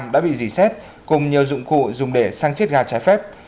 đã bị dì xét cùng nhiều dụng cụ dùng để sang chiết ga trái phép